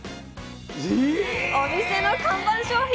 お店の看板商品